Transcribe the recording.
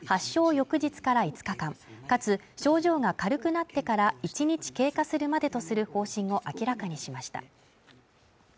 翌日から５日間、かつ症状が軽くなってから１日経過するまでとする方針を明らかにしました。